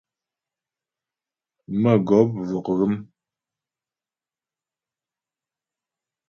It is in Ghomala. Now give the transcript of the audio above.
Mə̌gɔp vɔk ghə́m.